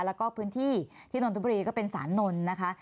แล้วก็พื้นที่ที่นนทบุรีก็เป็นศาลนนท์นะคะ